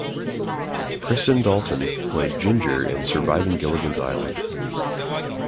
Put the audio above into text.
Kristen Dalton played Ginger in "Surviving Gilligan's Island".